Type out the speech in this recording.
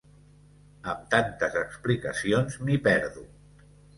Amb tantes explicacions, m'hi perdo.